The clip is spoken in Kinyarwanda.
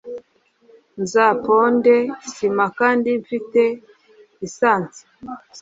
nzaponde sima kandi mfite risanse